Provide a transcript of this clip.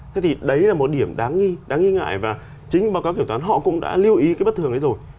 thế thì đấy là một điểm đáng nghi ngại và chính báo cáo kiểm soát họ cũng đã lưu ý cái bất thường ấy rồi